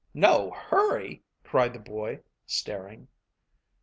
"No hurry?" cried the boy, staring.